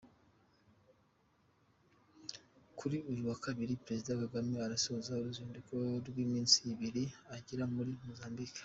Kuri uyu wa kabiri Perezida Kagame arasoza uruzinduko rw’iminsi ibiri agirira muri Mozambique.